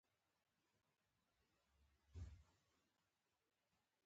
پر ځمكه ولله كه رانه خلاص سي.